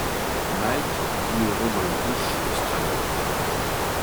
Mick vit heureux dans le bush australien.